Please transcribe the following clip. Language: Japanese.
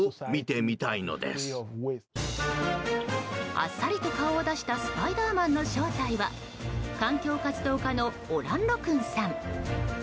あっさりと顔を出したスパイダーマンの正体は環境活動家のオランロクンさん。